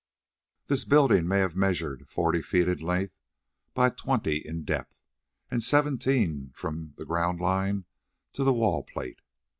This building may have measured forty feet in length by twenty in depth, and seventeen from the ground line to the wall plate.